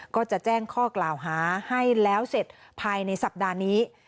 ก็จะแจ้งข้อกล่าวหาให้แล้วเสร็จภายในสัปดาห์นี้